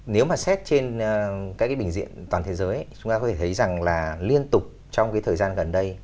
nếu mà xét trên các bệnh viện toàn thế giới chúng ta có thể thấy rằng là liên tục trong thời gian gần đây